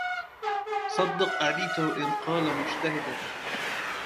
صدق أليته إن قال مجتهدا